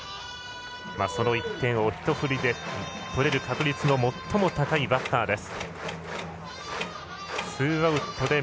その１点をひと振りで取れる可能性が最も高いバッターです。